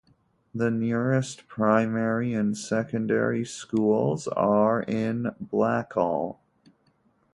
The nearest primary and secondary schools are in Blackall.